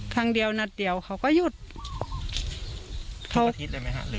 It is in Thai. ครั้งเดียวนัดเดียวเขาก็หยุดเข้าอาทิตย์ได้ไหมฮะ